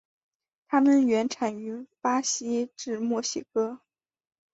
它们原产于巴西至墨西哥。